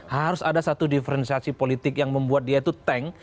harus ada satu diferensiasi politik yang membuat dia itu tank